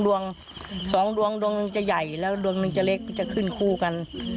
ดวงสองดวงดวงหนึ่งจะใหญ่แล้วดวงหนึ่งจะเล็กจะขึ้นคู่กัน